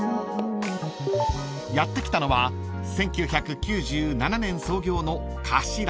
［やって来たのは１９９７年創業の］